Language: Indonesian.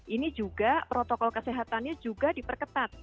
ini juga protokol kesehatannya juga diperketat